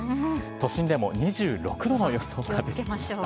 都心でも２６度の予想がつきました。